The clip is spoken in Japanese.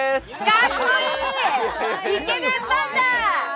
かっこいいー、イケメンパンダ。